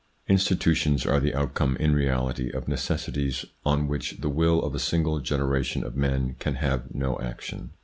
Institutions are the outcome in reality of necessities on which the will of a single generation of men can have no action.